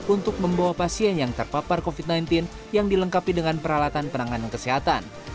untuk membawa pasien yang terpapar covid sembilan belas yang dilengkapi dengan peralatan penanganan kesehatan